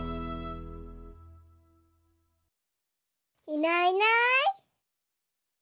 いないいない。